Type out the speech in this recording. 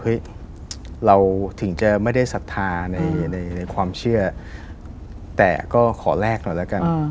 เราถึงจะไม่ได้ศรัทธาในในความเชื่อแต่ก็ขอแลกหน่อยแล้วกัน